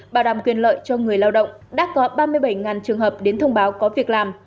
bảo đảm quyền lợi cho người lao động đã có ba mươi bảy trường hợp đến thông báo có việc làm